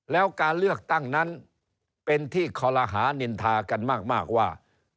แล้วการเลือกตั้งนั้นเป็นที่คอลหานินทากันมากว่า